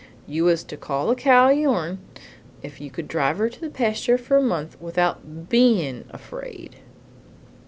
You was to call the cow your'n if you could drive her to the pasture for a month without BEIN' afraid.